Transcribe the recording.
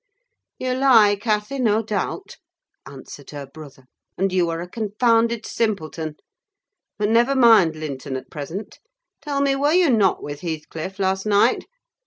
"You lie, Cathy, no doubt," answered her brother, "and you are a confounded simpleton! But never mind Linton at present: tell me, were you not with Heathcliff last night?